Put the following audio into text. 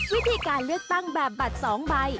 วิธีการเลือกตั้งแบบบัตร๒ใบ